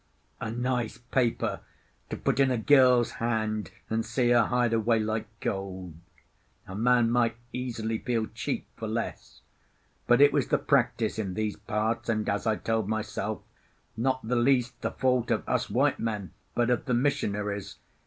A nice paper to put in a girl's hand and see her hide away like gold. A man might easily feel cheap for less. But it was the practice in these parts, and (as I told myself) not the least the fault of us white men, but of the missionaries.